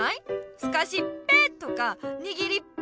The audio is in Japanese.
すかしっぺとかにぎりっぺとかさ。